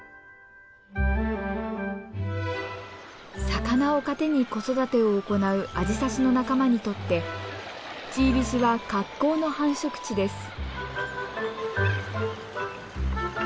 魚を糧に子育てを行うアジサシの仲間にとってチービシは格好の繁殖地です。